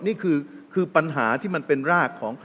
นี่คือปัญหาที่มันเป็นรากของ